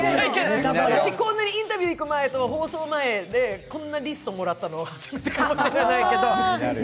私、インタビュー行く前と放送前にこんなリストもらったの初めてかもしれない。